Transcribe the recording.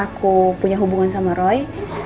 aku punya hubungan sama roy